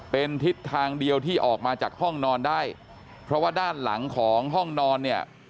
เป็นทิศทางเดียวที่ออกมาจากห้องนอนได้เพราะว่าด้านหลังของห้องนอนเนี่ย